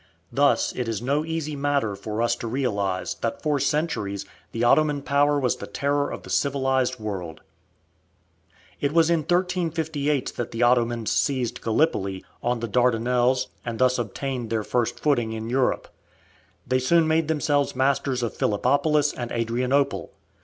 Thus it is no easy matter for us to realize that for centuries the Ottoman power was the terror of the civilized world. It was in 1358 that the Ottomans seized Gallipoli, on the Dardanelles, and thus obtained their first footing in Europe. They soon made themselves masters of Philippopolis and Adrianople.